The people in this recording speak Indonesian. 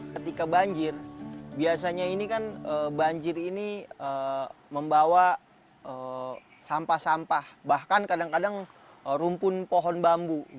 ketika banjir biasanya ini kan banjir ini membawa sampah sampah bahkan kadang kadang rumpun pohon bambu